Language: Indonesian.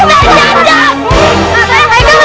ustazah abel lagi